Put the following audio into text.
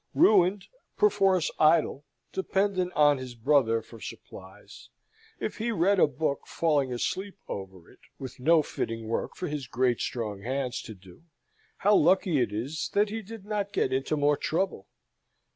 Ruined, perforce idle, dependent on his brother for supplies, if he read a book falling asleep over it, with no fitting work for his great strong hands to do how lucky it is that he did not get into more trouble!